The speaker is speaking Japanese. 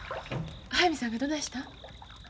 速水さんがどないしたん？